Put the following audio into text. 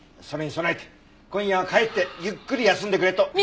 それに備えて今夜は帰ってゆっくり休んでくれと。